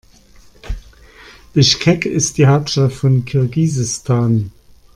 Bischkek ist die Hauptstadt von Kirgisistan.